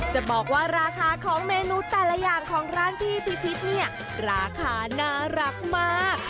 จะบอกว่าราคาของเมนูแต่ละอย่างของร้านพี่พิชิตเนี่ยราคาน่ารักมาก